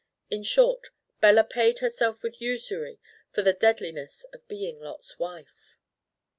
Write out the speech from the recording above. In short, Bella paid herself with usury for the deadliness of being Lot's Wife.